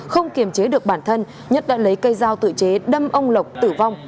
không kiềm chế được bản thân nhất đã lấy cây dao tự chế đâm ông lộc tử vong